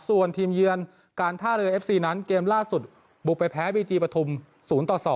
ส่วนทีมเยือนการท่าเรือเอฟซีนั้นเกมล่าสุดบุกไปแพ้บีจีปฐุม๐ต่อ๒